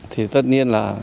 thì tất nhiên là